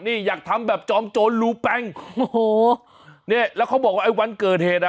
นี่อยากทำแบบจอมโจรรูแปงโอ้โหเนี่ยแล้วเขาบอกว่าไอ้วันเกิดเหตุอ่ะ